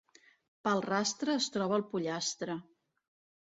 Pel rastre es troba el pollastre.